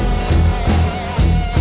masih lu nunggu